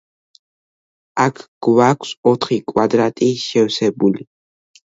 აქ გვაქვს ოთხი კვადრატი შევსებული.